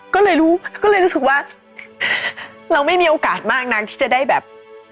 ก็เลยรู้ก็เลยรู้สึกว่าเราไม่มีโอกาสมากนักที่จะได้แบบ